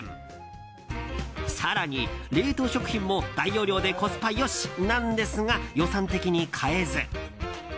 更に、冷凍食品も大容量でコスパ良しなんですが予算的に買えず。